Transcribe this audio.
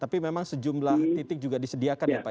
tapi memang sejumlah titik juga disediakan ya pak